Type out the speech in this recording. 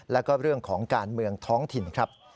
แล้วก็เรื่องของการเมืองท้องถิ่นครับ